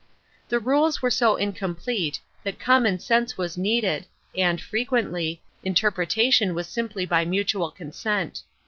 "The rules were so incomplete that common sense was needed and, frequently, interpretation was simply by mutual consent.